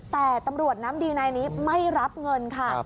แต่ตำรวจน้ำดีนายนี้ไม่รับเงินค่ะ